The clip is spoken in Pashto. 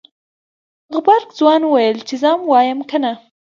غبرګ ځوان وويل خو زه ام وايم کنه.